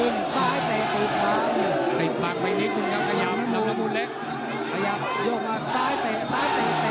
อย่างนี้ขยับเดินไว้นี่เอาล่ะเอาล่ะ